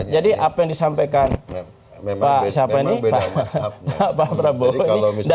jadi apa yang disampaikan pak prabowo ini